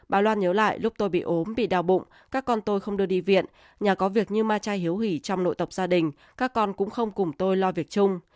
bà loan nhớ lại lúc tôi bị ốm bị đau bụng các con tôi không đưa đi viện nhà có việc như ma trai hiếu hỉ trong nội tập gia đình các con cũng không cùng tôi lo việc chung